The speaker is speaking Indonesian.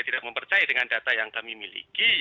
tidak mempercaya dengan data yang kami miliki